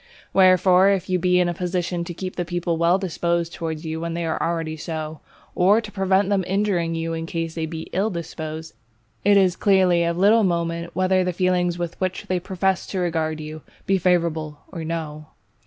Wherefore, if you be in a position to keep the people well disposed towards you when they already are so, or to prevent them injuring you in case they be ill disposed, it is clearly of little moment whether the feelings with which they profess to regard you, be favourable or no.